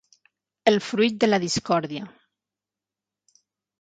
El fruit de la discòrdia.